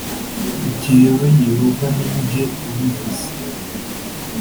Jyewe Yehova ni jye ubivuze